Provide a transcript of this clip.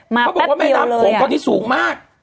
มาแป๊บเดียวเลยอะ